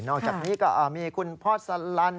อกจากนี้ก็มีคุณพ่อสลัน